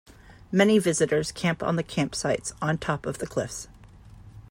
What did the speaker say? Many visitors camp on the campsites on top of the cliffs.